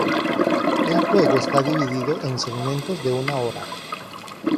El juego está dividido en segmentos de una hora.